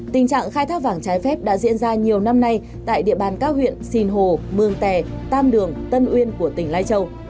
tình trạng khai thác vàng trái phép đã diễn ra nhiều năm nay tại địa bàn các huyện sinh hồ mường tè tam đường tân uyên của tỉnh lai châu